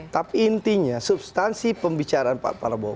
tapi intinya substansi pembicaraan pak prabowo